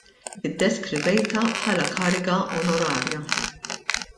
Iddiskrivejtha bħala kariga onorarja.